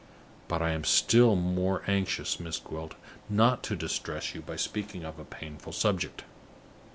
"But I am still more anxious, Miss Gwilt, not to distress you by speaking of a painful subject."